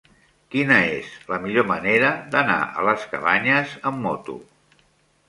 Quina és la millor manera d'anar a les Cabanyes amb moto?